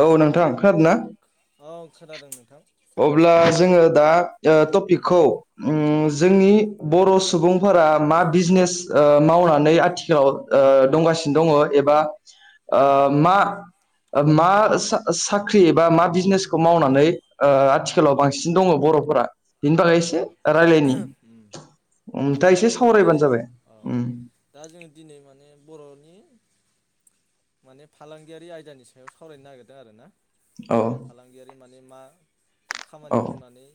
औ नोंथां खोनादो ना? खोनादों नों अब्ला जोंङो दा ओ टपिकखौ उम जोंनि बर' सुबुंफोरा मा बिजनेस ओ मावनानै आथिखाव ओ दंगासिनो दङ एबा ओ मा मा सा साख्रि एबा मा बिजनेसखौ मावनानै ओ आथिखालाव बांसिन दङ बर' फोरा बिनि बागै एसे रायलायनि नोंथांङा एसे सावरायबानो जाबाय उम बर'नि माने फालांगियारि आयदानि सायाव सावरायनो नागिरदों आरो ना अ ने मा खामानि मावनानै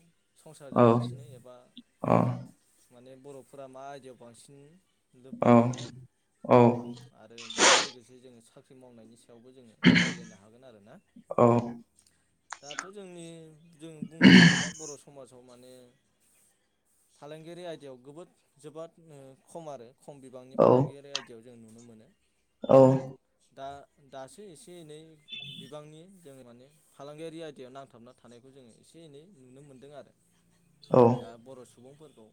संसा औ जागासिनो एबा औ माने बर'फोरा मा आयदायाव बांसिन लोब्बा औ दङ औ आरो बेजों लोगोसे जोङो सा फ्रिम मावनायनिसो दाउबो जोङो रायज्लायनो हागोन आरो ना औ दाथ' जोंनि जों बुंनो थाङोबा बर' समाज फ्रावमाने फालांगिरि आयदायाव गोबोद जोबाद खम आरो खम बिबांनि फालांगियारि आयदायाव जों नुनो मोनो औ दा दासो एसे एनै बिबांनि जों माने फालांगियारि आयदायाव नांथाबना थानायखौ जोङो एसे एनै नुनो मोनदों आरो दा बर' सुबुंफोर औ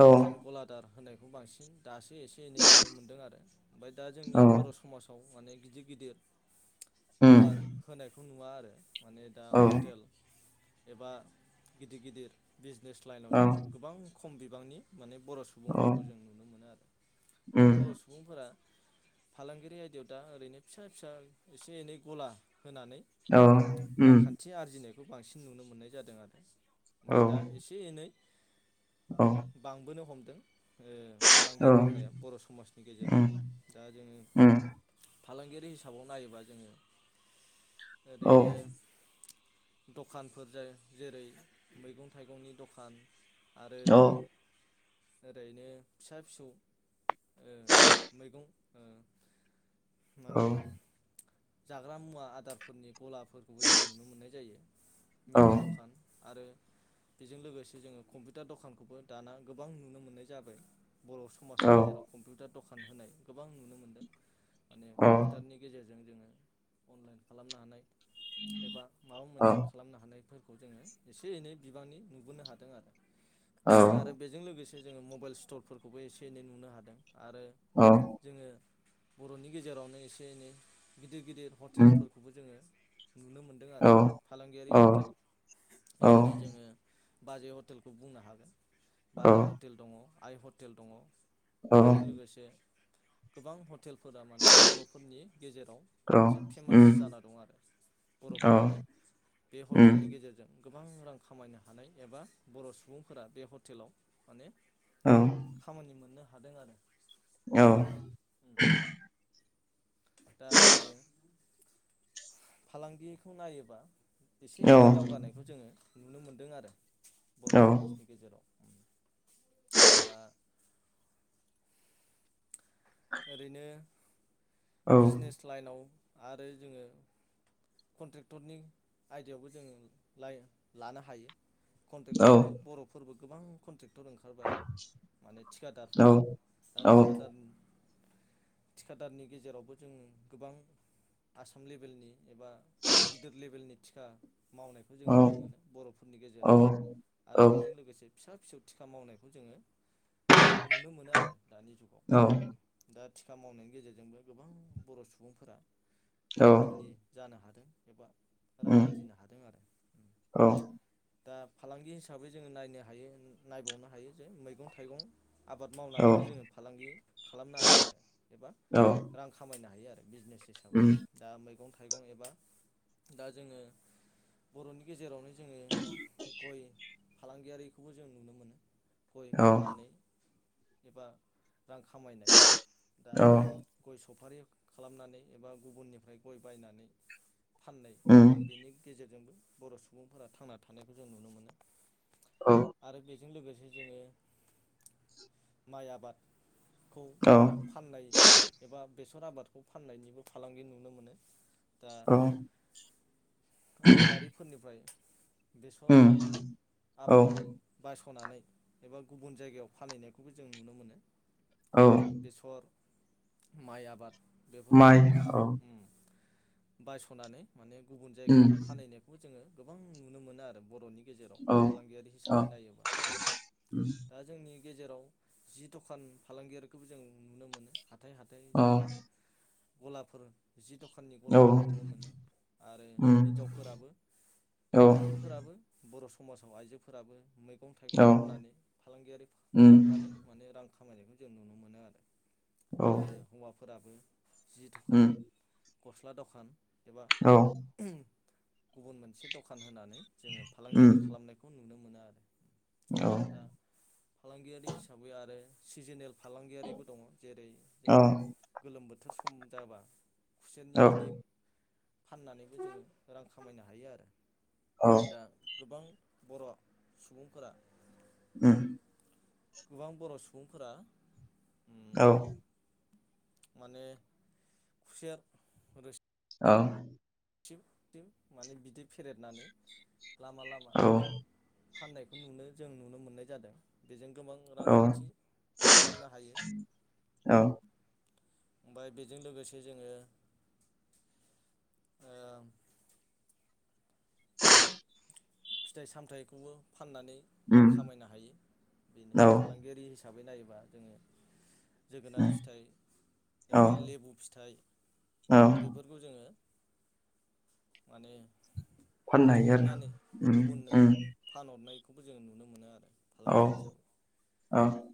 औ दखान गलादार होनाय खौ बांसिन दासो एसे एनै नुनो मोनदों आरो ओमफाय दा जोंनि औ बर' समाजाव माने गिदिर गिदिर उम गला होनायखौ नुवा आरो दे माने दा औ हटेल एबा गिदिर गिदिर बिज नेस्ट लाइनाव औ जोङो गोबां खम बिबांनि माने बर' औ सुबुंफोरखौ जों नुनो मोनो आरो दा उम बर' सुबुंफोरा फालांगिरि आयदायाव दा ओरैनो फिसा फिसा एसे एनै गला होनानै औ उम रांखान्थि आरजिनो खौ बांसिन नुनो मोननाय जादों आरो औ ओमफाय दा एसे एनै औ बांबोनो हम दों ओ फालांगि औ मावनाया बर' समाजनि गेजेराव उम दा जोङो उम फालांगियारि हिसाबाव नायोबा जोङो औ ओरैनो दखानफोर जाय जेरै मैगं थाइगंनि दखान औ ओरैनो फिसा फिसौ ओ मैगं ओ औ जाग्रा मुवा आदारफोरनि गलाफोरखौबो जों नुनो मोननाय जायो। मिथाइ दखान आरो बेजों लोगोसे जोङो कम्पिउटार दखानखौबो दाना गोबां नुनो मोननाय जाबाय बर' औ समाजनि गेजेराव कम्पिउटार दखा होनाय गोबां नुनो मोनदों माने कम्पिउटारनि गेजेरजों जोङो अनलाइन खालामनो हानाय एबा माबा औ मोनसे खालामनो हानाय खौ जोङो एसे एनै बिबांनि नुबोनो हादों आरो औ उम औ आरो बेजों लोगोसे जोङो मबाइल स्ट'रफोरखौबो एसे एनै नुनो हादों। आरो औ औ उम औ उम औ जोङो बर'नि गेजेरावनो एसे एनै गिदिर गिदिर उम हटेलफोरखौबो जोङो नुनो मोनदों आरो फालांगियारि हटेल जेरै जोङो बाजै हटेलखौ बुंनो हागोन। बाजै हटेल दङ। आइ हटेल दङ। बेजों लोगोसे गोबां हट टेलफोरा माने बर'फोरनि गेजेराव मोनसे फेमास जाना दं आरो बर'फोरानो बे हटेलनि गेजेरजों गोबां रां खामायनो हानाय एबा बर' सुबुंफोरा बे हटेलाव माने खामानि मोननो हादों आरो। उम दा जोङो फालांगिखौ नायोबा एसे एनै दावगानायखौ जोङो नुनो मोनदों आरो बर' समाजनि गेजेराव दा ओरैनो बिजनेस लाइनाव आरो जोङो कन्ट्रेक्टरनि आयदायावबो जोङो लाय लानो हायो कन्ट्रेक्टरबो बर'फोरबो गोबां कन्ट्रेक्ट टर ओंखारबाय माने थिखादारफोर दा थिखादार थिकादारनि गेजेरावबो जों गोबां आसाम लेभेलनि एबा गिदिर लेभेलनि थिका मावनायखौ जों नुनो मोनो बर'फोरनि गेजेराव आरो बेजों लोगोसे फिसा फिसौ थिखा मावनायखौ जोङो नुनो मोनो आरो दानि जुगाव दा थिखा मावनायनि गेजेरजोंबो गोबां बर' सुबुंफोरा गोबां धोनि जानो हादों एबा रां आरजिनो हादों आरो दा फालांगि हिसाबै जोङो नायनो हायो नायबावनो हायो जे मैगं थाइगं आबाद मावनानैबो जोङो फालांगि खा लामनो हायो आरो एबा औ औ औ रां खामाय नो हायो आरो बिजनेस हिसाबै उम दा मै गं थाइगं एबा दा जोङो बर'नि गेजेरावनो जोङो गय फालांगियारिखौबो जों नुनो मोनो गय औ फाननानै एबा रां खा खामायनाय दा औ गय सफारि खालामनानै एबा गुबुननिफ्राय गय बायनानै फाननाय उम जों बेनि गेजेरजोंबो बर' सुबुंफोरा थांना थानायखौ जों नुनो मोनो औ आरो बे जों लोगोसे जोङो माइ आबाद खौ औ फाननाय एबा बेसर आबादखौ फान्नायनिबो फालांगि नुनो मोनो। दा औ आबादारिफोरनिफ्राय बेसर उम औ आबादखौ बायस खनानै एबा गुबुन जायगायाव फालिनायखौबो जों नुनो मोनो। औ। माइ आबाद बेफोरखौ माइ औ ओम। बायस नानै माने। गुबुन उम जायगायाव फानहनायखौबो जोङो। गोबां नुनो मोनो आरो बरनि। गेजेराव औ फालांगियारि औ हिसाबै नायोबा दा जोंनि। गेजेराव जि दखान। फालांगियखौबो जों नुनो मोनो। हाथथाय हाइ औ जोङो। गलाफोर जि दखाननि औ गलाफोर नुनो मोनो आरो उम हिनजावफोराबो औ उम औ उम औ उम औ आइजोफोराबो बर सम समाजाव आइजोफोराबो मै। मैगं थाइगं औ उम औ फाननानै फालांगियारि उम खालामनानै माने रां खामानिमोन जों नुनो मोनो आरो‌। औ आरो हौवाफोराबो जि दखान गस्ला दखान एबा गुबुन मोनसे दखान होनानै। जोङो फालांगियारि खालामनायखौ नुनो नुनो मोनो आरो। दा फालांगियारि हिसाबै आरो। सिजनेल फालांगियारिबो दङ जेरै जोङो गोलोम बोथोर। बोथोर सम जाबा खुसेयातनि बिदै फाननानैबो जोङो रां खामायनो हायो आरो। दा गोबां बर' सुबुंफोरा। उम गोबां बर' सुबुंफोरा औ माने खुसेर रोस औ थिव थिव माने बिदै फेरेदनानै लामा लामा फाननायखौ नुनो जों नुनो मोननाय जादों। बेजों गोबां रांखान्थि खालामनो हायो उम ओमफाय बेजों लोगोसे जोङो ओ फिथाइ सामथाइखौबो फाननानै रां खामायनो हायो बेनो उम फालांगियारि हिस साबै नायोबा जोङो जोगोनार फिथाइ एबा औ लेबु फिथाइ औ बेफोरखौ जोङो माने फाननो हायो आरो ना? गुबुननो फानहरन नायखौबो जों नुनो मोनो आरो औ फालांगिरि औ हिसाबै।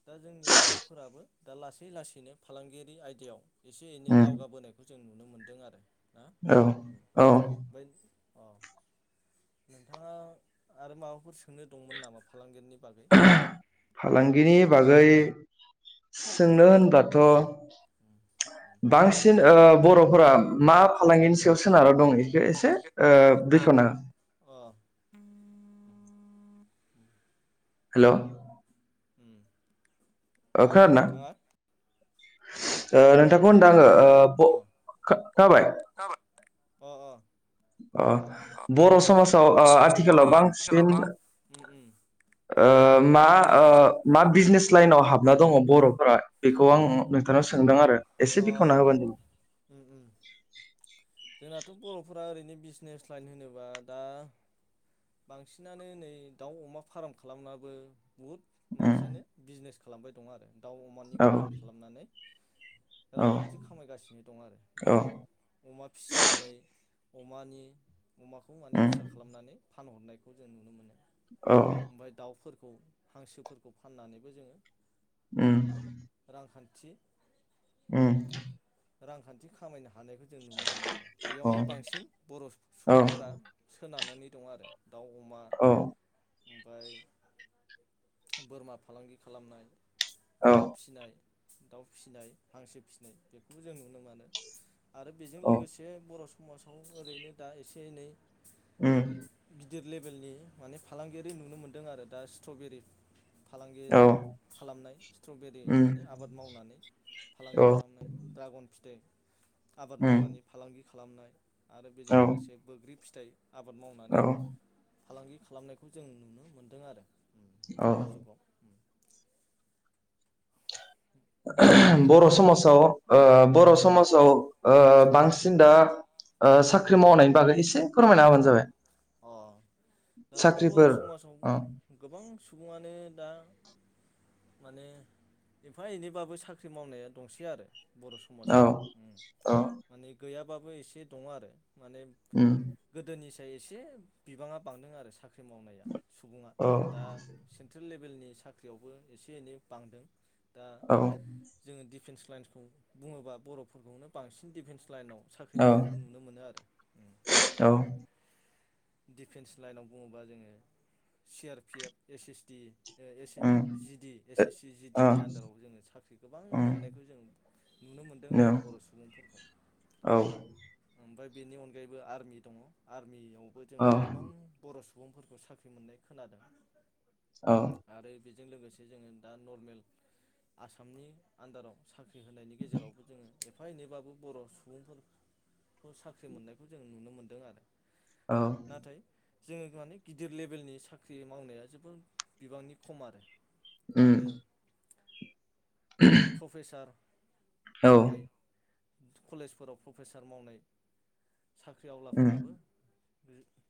दा जोंनि बर'फोराबो दा लासै लासैनो फालांगियारि आयदायाव एसे एनै दावगाबोनायखौ जों नुनो मोन्दों आरो औ औ अ नोंथाङा आरो माबाफोर सोंनो दंमोन नामा फालांगिरिनि फालांगिनि बागै सोंनो होनब्लाथ' बांसिन ओ बर'फोरा मा फालांगिनि याव सोनारना दं इसे एसे ओ बेखेवना [inaudible] हेलौ उम मा होनदों नोंथाङा? ओ नोंथांखौ होनदों आङो ओ ब खा खाबाय जाबाय ओ बर' समाजाव समाजाव आथिखालाव आथिखालाव बांसिन बा मा मा बिजनेस लाइनाव हाबना दङ बर'फ्रा बेखौ आं नोंथांनाव सोंदों आरो एसे बेखावना होबानो जा जोंनाथ' बर'फोरा ओरैनो बिजनेस लाइन होनोब्ला दा बांसिनानो नै दाउ अमा फार्म खालामनाबो बहुद मानसियानो बिजनेस खालामबाय दङ आरो दाउ अमानि जाबाय फार्म उम खालामनानै रांखान्थि खामायगासिनो दं आरो दा औ अमा फिसिनानै अमानि अमाखौ माने औ उम फिसा खालामनानै फानहरनायखौ जों नुनो मोनो औ ओमफ्राय दाउफोरखौ खौ हांसोफोरखौ फाननानैबो जोङो उम रांखान्थि ओम रांखान्थि खामायनो हानायखौ जों नुनो मोनो आरो अ बेयावनो बांसिन बर' औ सुबुंफोरा सोनानै नानै दं आरो दाउ अमा औ ओमफ्राय बोरमा फालांगि खालामनाय औ बोरमा फिनाय दाउ फिसिनाय हांसो फिसिनाय बे बेखौबो जों नुनो मोनो आरो बेजों औ लोगोसे बर' समाजाव ओरैनो दा एसे एनै उम गिदिर लेभेलनि माने फालांगियारि नुनो मोन्दों आरो दा स्ट्रबेरि फालांगि औ खालामनाय स्ट्रबेरि उम माने आबाद मावनानै फालांगि औ खालामनाय उनफिथाइ आबाद उम मावनानै फालांगि खालामनाय आरो बेजों औ लोगोसे बैग्रि फिथाइ आबाद मावनानै औ फालांगि खालामनायखौ जों नुनो मोन्दों आरो औ दानि जुगाव बर' समाजाव ओ बर' समाजाव ओ बांसिन दा ओ साख्रि मावनायनि बागै एसे फोरमायना होबानो जाबाय अ दाथ' बर' साख्रिफोर समाजाव औ गोबां सुबुंङानो दा माने एफा एनैबाबो साख्रि मावनाया दंसै आरो बर' औ समाजाव माने औ माने गैयाबाबो एसे दङ आरो माने उम गोदोनि एसे बिबांङा बांदों आरो साख्रि साख्रि मावनाया सुबुङा औ दा सेन्ट्रेल लेभे भेल नि साख्रियावबो एसे एनै बांदों दा औ जोङो दिडिफेन्स लाइन्सखौ बुङोबा बर'फोरखौनो बांसिन दिडिफेन्स लाइनाव साख्रि औ मावनायखौ नुनो मोनो आरो दा औ दिफेन्स लाइनाव बुङोबा जोङो C R P F S S D O um G D S S C G D O नि आन्दाराव जोङो साख्रि गोबां उम मोननायखौ जों नुनो मोनदों औ आरो बर' सुबुंफोरखौ औ ओमफ्राय बेनि अनगायैबो आर्मि दङ आरमि बौ औ जोङो गोबां बर' सुबुंफोरखौ साख्रि मोननाय खोनादों औ बेजों लोगोसे जोङो दा नरमेल आसामनि आन्दाराव साख होनायनि गेजेरावबो जोङो एफा एनैबाबो बर' सुबुंफोरखौ साख्रि मोननायखौ जों नुनो मोन्दों आरो नाथाय जोङो माने गिदिर लेबेलनि साख्रि मावनाया जोबद बिबांनि खम आरो उम आरो प्रफेसार औ मावनाय कलेजफोराव प्रफेसार मावनाय साख्रि उम आवलाफोराबो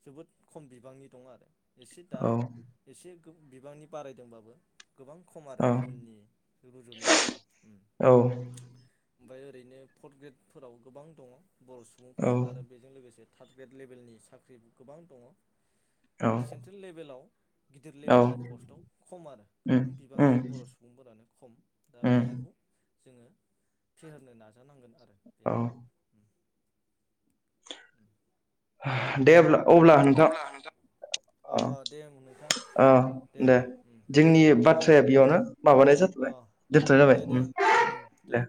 जोबोद खम बिबांनि दं आरो। एसे दा औ एसे बिबांनि बारायदोंबाबो गोबां खम आरो औ गुबुननि रुजुनायाव आरो। औ ओमफफ्राय ओरैनो फर्थ ग्रेडफोराव गोबां दङ। बर' सुबुंफोर आरो बेजों लोगोसे थार्द ग्रेड लेभेलनि साख्रि गोबां दङ। औ दा सेन्ट्रेल लेभेलाव गिदिर लेबेलनि पस्टआव खम आरो उम गोबां बिबांनि उम बर' सुबुंफोरानो खम। दा उम बेखौ जोङो फेहेरनो नाजानांगोन आरो। औ दे अब्ला अब्ला नोंथां औ ओम दे जोंनि बाथ्राया बेयावनो माबानाय जाथ'बाय दोनथ' जाबाय ओम दे